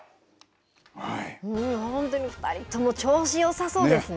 本当に２人とも調子よさそうですね。